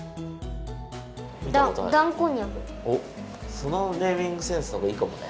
そのネーミングセンスのがいいかもね。